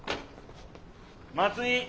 松井。